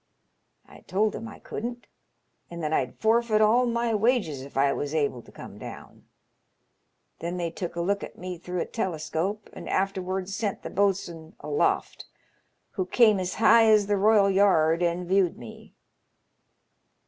I told him I couldn't, and that I'd forfeit all my wages if I was able to come down. Then they took a look at me through a telescope, and afterwards sent the boatswain aloft, who came as high as th' royal yard and viewed me.